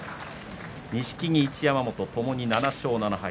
錦木、一山本ともに７勝７敗。